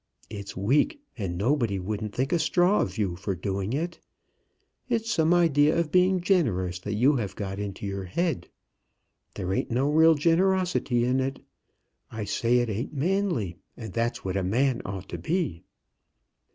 It's weak, and nobody wouldn't think a straw of you for doing it. It's some idea of being generous that you have got into your head. There ain't no real generosity in it. I say it ain't manly, and that's what a man ought to be."